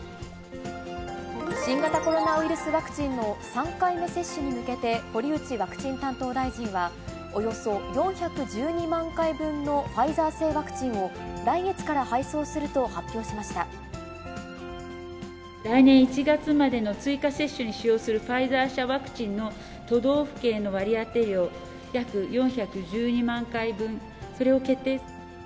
新型コロナウイルスワクチンの３回目接種に向けて堀内ワクチン担当大臣は、およそ４１２万回分のファイザー製ワクチンを、来月から配送する来年１月までの追加接種に使用する、ファイザー社ワクチンの都道府県の割当量、約４１２万回分、それを決定。